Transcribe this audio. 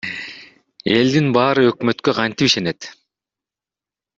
Элдин баары өкмөткө кантип ишенет?